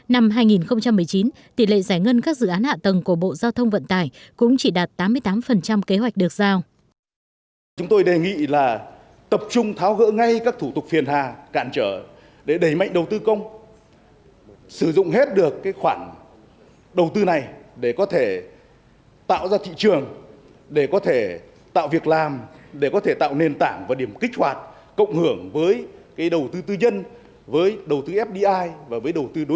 năm hai nghìn một mươi chín tỷ lệ giải ngân các dự án hạ tầng của bộ giao thông vận tải cũng chỉ đạt tám mươi tám kế hoạch được giao